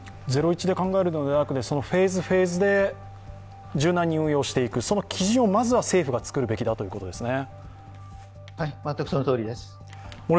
ゼロ・イチで考えるのではなくてフェーズ、フェーズで柔軟に運用していく、その基準をまず政府が作るべきだということですね。